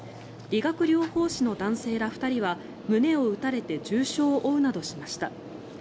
理学療法士の男性ら２人は胸を撃たれて重傷を負うなどしました。